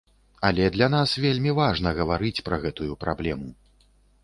Але для нас вельмі важна гаварыць пра гэтую праблему.